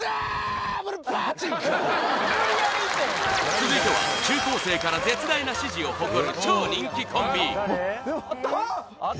続いては中高生から絶大な支持を誇る超人気コンビあっ！